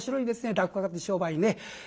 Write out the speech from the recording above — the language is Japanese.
落語家って商売ね。